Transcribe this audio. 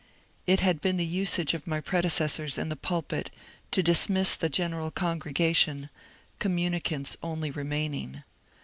It had been the usage of my predecessors in the pulpit to dismiss the general congregation, communicants only remaining.